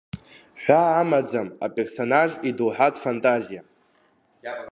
Ҳәаа амаӡам аперсонаж идоуҳатә фантазиа.